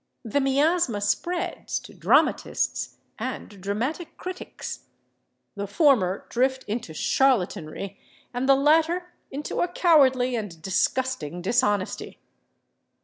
The miasma spreads to dramatists and dramatic critics; the former drift into charlatanry and the latter into a cowardly and disgusting dishonesty.